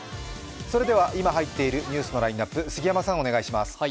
それでは今入っているニュースのラインナップ、杉山さんお願いします。